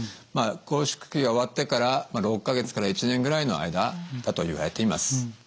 まあ拘縮期が終わってから６か月から１年ぐらいの間だといわれています。